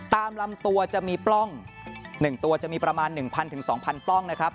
ตามลำตัวจะมีปล้อง๑ตัวจะมีประมาณ๑๐๐๒๐๐ปล้องนะครับ